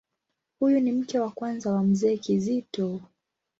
Huyu ni mke wa kwanza wa Mzee Kizito.